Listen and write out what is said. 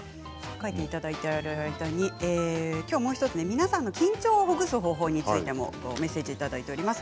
書いていただいている間にもう１つ皆さんの緊張をほぐす方法についてもメッセージをいただいています。